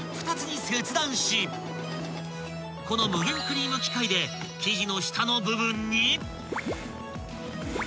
［この無限クリーム機械で生地の下の部分に］